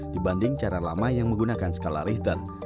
dibanding cara lama yang menggunakan skala return